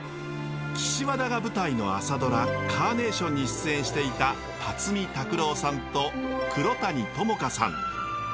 岸和田が舞台の「朝ドラ」「カーネーション」に出演していた辰巳琢郎さんと黒谷友香さん。